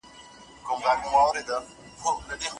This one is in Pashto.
څوک د خپل کار د دوام په مرسته ستونزي په فرصتونو بدلوي؟